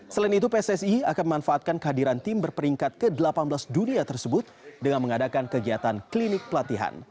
selain itu pssi akan memanfaatkan kehadiran tim berperingkat ke delapan belas dunia tersebut dengan mengadakan kegiatan klinik pelatihan